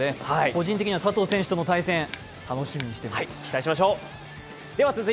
個人的には佐藤選手との対戦楽しみにしています。